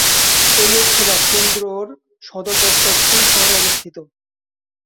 এই লোকসভা কেন্দ্রর সদর দফতর পুরী শহরে অবস্থিত।